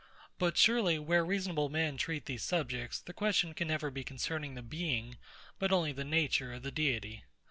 But surely, where reasonable men treat these subjects, the question can never be concerning the Being, but only the Nature, of the Deity.